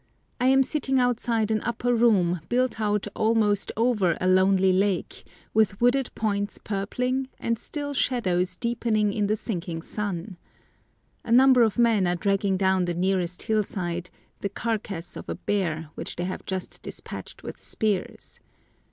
I am sitting outside an upper room built out almost over a lonely lake, with wooded points purpling and still shadows deepening in the sinking sun. A number of men are dragging down the nearest hillside the carcass of a bear which they have just despatched with spears.